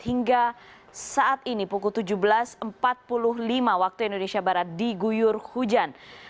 hingga saat ini pukul tujuh belas empat puluh lima waktu indonesia barat diguyur hujan